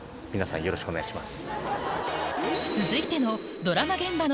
よろしくお願いします。